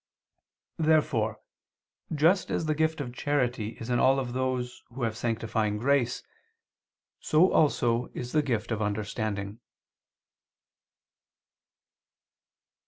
Therefore, just as the gift of charity is in all of those who have sanctifying grace, so also is the gift of understanding.